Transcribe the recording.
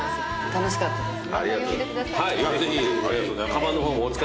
楽しかったです。